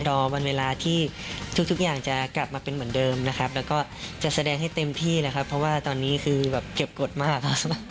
รอวันเวลาที่ทุกอย่างจะกลับมาเป็นเหมือนเดิมนะครับแล้วก็จะแสดงให้เต็มที่นะครับเพราะว่าตอนนี้คือแบบเก็บกฎมากครับ